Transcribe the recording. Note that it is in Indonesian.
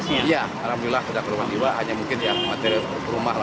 iya alhamdulillah udah ke rumah jiwa hanya mungkin ya mati rumah lah kelihatan